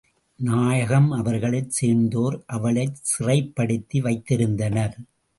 நாயகம் அவர்களைச் சேர்ந்தோர் அவளைச் சிறைப்படுத்தி வைத்திருந்தனர்.